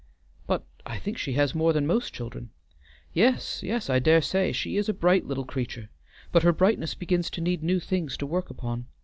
"But I think she has more than most children." "Yes, yes, I dare say. She is a bright little creature, but her brightness begins to need new things to work upon.